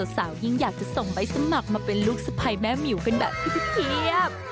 สาวยิ่งอยากจะส่งใบสมัครมาเป็นลูกสะพายแม่หมิวกันแบบเพียบ